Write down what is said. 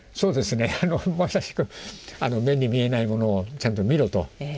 まさしく目に見えないものをちゃんと見ろと。